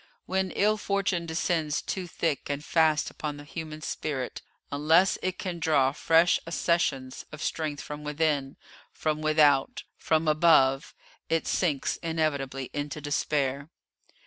When ill fortune descends too thick and fast upon the human spirit, unless it can draw fresh accessions of strength from within, from without, from above, it sinks inevitably into despair.